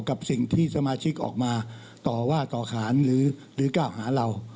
กับสิ่งที่สมาชิกออกมาต่อว่าต่อขานหรือกล่าวหาเรา